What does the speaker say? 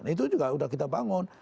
itu juga sudah kita bangun